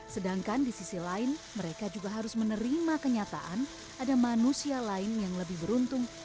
sedangkan di sisi lain mereka juga harus menerima kenyataan ada manusia lain yang lebih beruntung